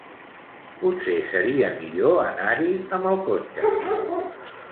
Potser seria millor anar-hi amb el cotxe.